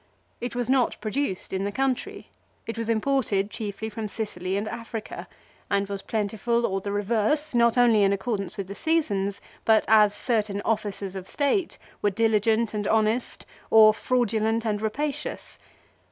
It was not produced in the country. It was imported chiefly from Sicily and Africa, and was plentiful or the reverse, not only in accordance with the seasons, but as certain officers of state were diligent and honest, or fraudulent and rapacious.